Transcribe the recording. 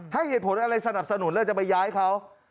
ให้เหตุผลอะไรสนับสนุนแล้วจะไปย้ายเขา